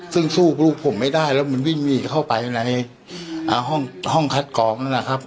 ซึ่งสู้พี่ลูกผมไม่ได้แล้วมันบิ่งวิ่งนิ่งเข้าไปในห้องคัดกรองนะครับ